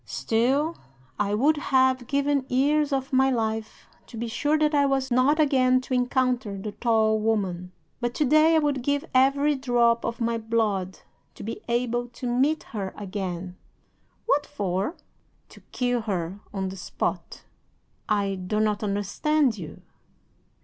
Still, I would have given years of my life to be sure that I was not again to encounter the tall woman. But, to day, I would give every drop of my blood to be able to meet her again.' "'What for?' "'To kill her on the spot.' "'I do not understand you.'